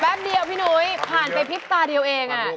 แป๊บเดียวพี่หนุ๊ยผ่านไปพลิกตาเดียวเอง